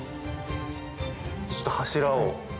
ちょっと柱を。